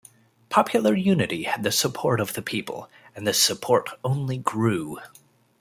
Popular Unity had the support of the people, and this support only grew.